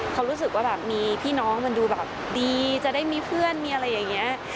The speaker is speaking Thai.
เขารู้สึกว่าแบบมีพี่น้องมันดูแบบดีจะได้มีเพื่อนมีอะไรอย่างนี้